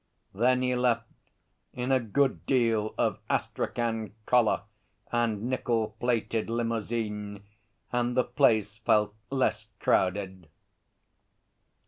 Then he left, in a good deal of astrachan collar and nickel plated limousine, and the place felt less crowded.